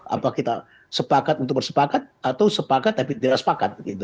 apa kita sepakat untuk bersepakat atau sepakat tapi tidak sepakat